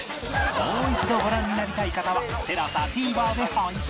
もう一度ご覧になりたい方は ＴＥＬＡＳＡＴＶｅｒ で配信